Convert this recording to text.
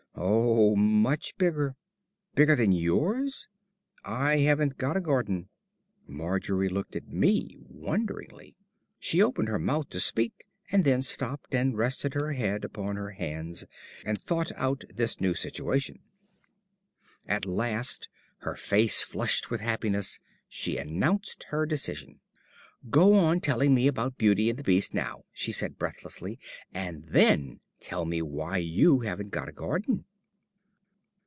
"Oh, much bigger." "Bigger than yours?" "I haven't got a garden." Margery looked at me wonderingly. She opened her mouth to speak, and then stopped and rested her head upon her hands and thought out this new situation. At last, her face flushed with happiness, she announced her decision. "Go on telling me about Beauty and the Beast now," she said breathlessly, "and then tell me why you haven't got a garden."